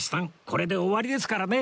これで終わりですからね